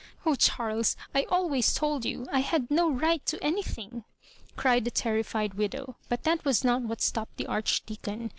"Oh, Charles, I always told you — ^I had no right to anything I'* cried the terrified widow ; but that was not what stopped the Archdeacon.